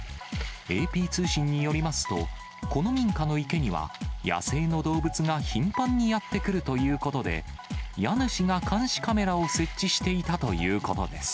ＡＰ通信によりますと、この民家の池には、野生の動物が頻繁にやって来るということで、家主が監視カメラを設置していたということです。